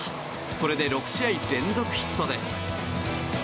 これで６試合連続ヒットです。